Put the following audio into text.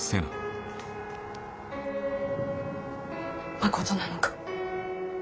まことなのか。